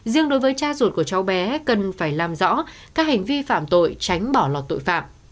riêng đối với cha ruột của cháu bé cần phải làm rõ các hành vi phạm tội tránh bỏ lọt tội phạm